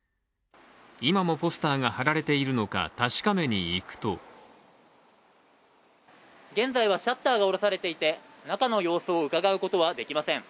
今もポスターが貼られているのか確かめに行くと現在はシャッターが下ろされていて中の様子をうかがうことはできません。